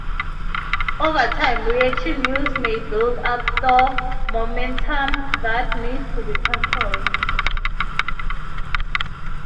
Over time, reaction wheels may build up stored momentum that needs to be cancelled.